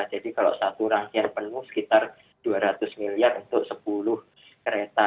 jadi kalau satu rangkaian penuh sekitar dua ratus miliar untuk sepuluh kereta